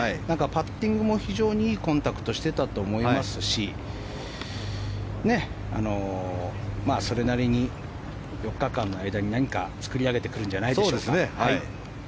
パッティングも非常にいいコンタクトをしてたと思いますしそれなりに、４日間の間に何か作り上げてくるんじゃないでしょうか。